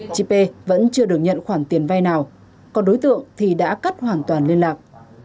chị p vẫn chưa được nhận khoản tiền vay nào còn đối tượng thì đã cắt hoàn toàn liên lạc